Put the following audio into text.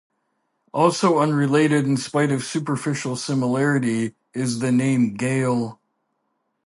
Also unrelated in spite of superficial similarity is the name "Gael".